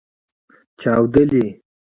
چاودیدلې